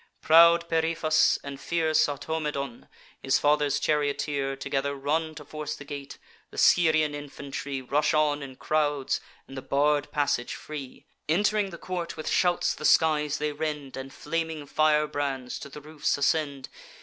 Proud Periphas, and fierce Automedon, His father's charioteer, together run To force the gate; the Scyrian infantry Rush on in crowds, and the barr'd passage free. Ent'ring the court, with shouts the skies they rend; And flaming firebrands to the roofs ascend.